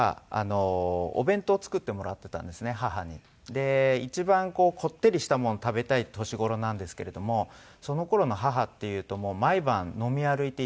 で一番こってりしたもの食べたい年頃なんですけれどもその頃の母っていうともう毎晩飲み歩いていたので。